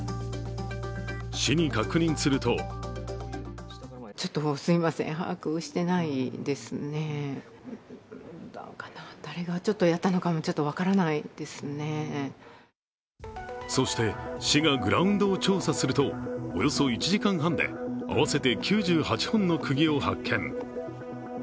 市に確認するとそして、市がグラウンドを調査するとおよそ１時間半で、合わせて９８本のくぎを発見。